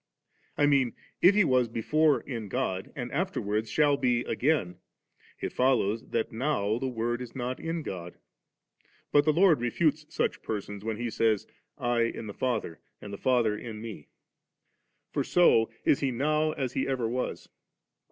I mean, if He was before in •God, and afterwards shall be again, it follows that now the Word is not in God. But the Lord refutes such persons when He says, *I in the Father and the Father in Me;' for so is « lkSfm,94,m,q; Or.Ll4•■•^ • John jdr. m* He now as He ever was.